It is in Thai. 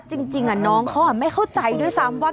จริงน้องเขาไม่เข้าใจด้วยซ้ำว่า